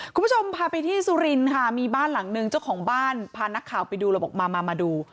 คุณผู้ชมพาไปที่สุรินทร์ค่ะมีบ้านหลังนึงเจ้าของบ้านพานักข่าวไปดูแล้วบอกมามามาดู